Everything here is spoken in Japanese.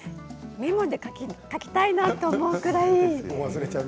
もう１回目メモで書きたいなと思うくらい。